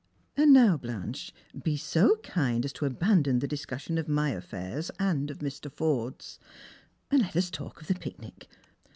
And now, Blanche, be so kind as to abandon the discussion of my aflfairs, and of Mr. Forde's, and let us talk of the picnic.